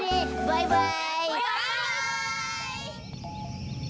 バイバイ！